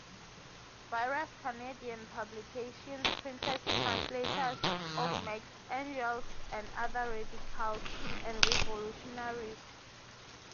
Various Canadian publications printed translations of Marx, Engels and other radicals and revolutionaries.